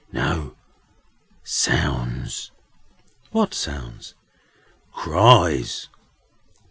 "No. Sounds." "What sounds?" "Cries."